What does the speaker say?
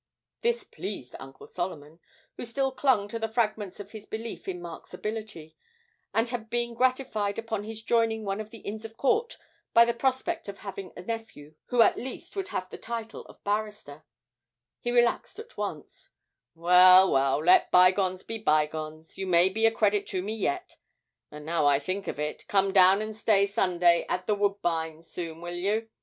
This pleased Uncle Solomon, who still clung to the fragments of his belief in Mark's ability, and had been gratified upon his joining one of the Inns of Court by the prospect of having a nephew who at least would have the title of barrister; he relaxed at once: 'Well, well, let bygones be bygones, you may be a credit to me yet. And now I think of it, come down and stay Sunday at "The Woodbines" soon, will you?